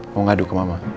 mau ngadu ke mama